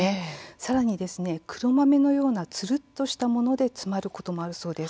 さらに黒豆のようなつるっとしたもので詰まることもあるそうです。